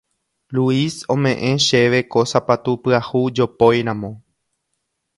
Luis ome'ẽ chéve ko sapatu pyahu jopóiramo.